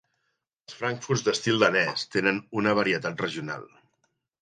Els frankfurts d'estil danès tenen una varietat regional.